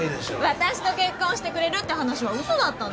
私と結婚してくれるって話はうそだったの？